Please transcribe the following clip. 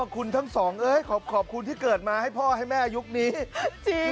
คุณทั้งสองขอบคุณที่เกิดมาให้พ่อให้แม่ยุคนี้จริง